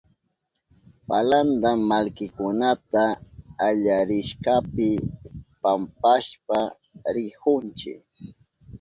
Palanta mallkikunata allarishkapi pampashpa rihunchi.